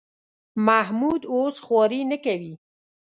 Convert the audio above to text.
محمود اوس خواري نه کوي.